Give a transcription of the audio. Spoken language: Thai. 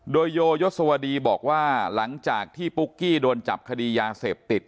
โดยโยยศวดีบอกว่าหลังจากที่ปุ๊กกี้โดนจับคดียาเสพติด